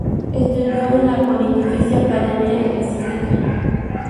Estudió en la Pontificia Academia Eclesiástica.